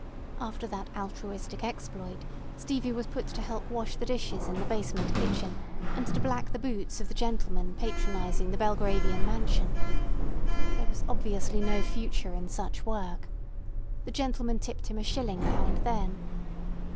After that altruistic exploit Stevie was put to help wash the dishes in the basement kitchen, and to black the boots of the gentlemen patronising the Belgravian mansion. There was obviously no future in such work. The gentlemen tipped him a shilling now and then.